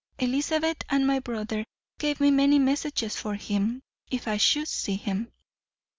Elizabeth and my brother gave me many messages for him, if I should see him."